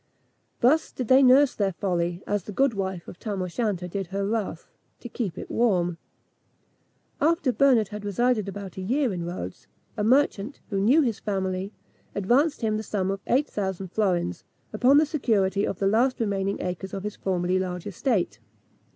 Thus did they nurse their folly, as the good wife of Tam O'Shanter did her wrath, "to keep it warm." After Bernard had resided about a year in Rhodes, a merchant, who knew his family, advanced him the sum of eight thousand florins, upon the security of the last remaining acres of his formerly large estate.